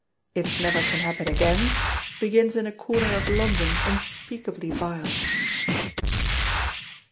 It Never Can Happen Again begins in a corner of London unspeakably vile.